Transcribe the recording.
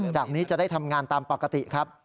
จากนี้จะได้ทำงานตามปกติครับ